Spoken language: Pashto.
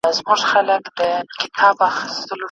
لا تر څو به ګوزارونو ته ټینګېږي